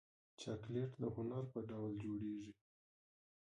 چاکلېټ د هنر په ډول جوړېږي.